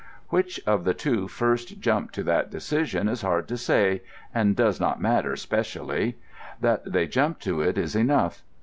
Which of the two first jumped to that decision is hard to say, and does not matter specially. That they jumped to it is enough.